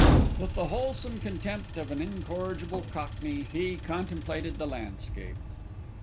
With the wholesome contempt of an incorrigible cockney he contemplated the landscape.